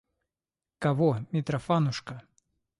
Кого, Митрофанушка?